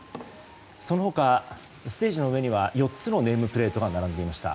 その他、ステージの上には４つのネームプレートが並んでいました。